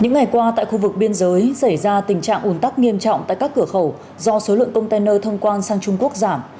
những ngày qua tại khu vực biên giới xảy ra tình trạng ủn tắc nghiêm trọng tại các cửa khẩu do số lượng container thông quan sang trung quốc giảm